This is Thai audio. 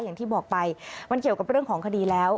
อย่างที่บอกไปมันเกี่ยวกับเรื่องของคดีแล้ว